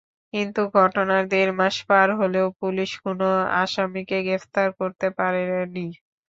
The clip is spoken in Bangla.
কিন্তু ঘটনার দেড় মাস পার হলেও পুলিশ কোনো আসামিকে গ্রেপ্তার করতে পারেনি।